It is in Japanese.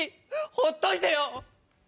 ほっといてよ！